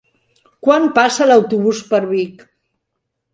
Quan passa l'autobús per Vic?